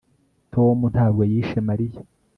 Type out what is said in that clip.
tom ntabwo yishe mariya